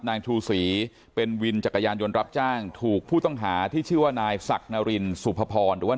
นางชูศรีเป็นวินจักรยานยนต์รับจ้างถูกผู้ต้องหาที่ชื่อว่านายศักดิ์นารินสุภพรหรือว่า